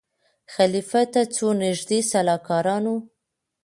خلیفه ته څو نیژدې سلاکارانو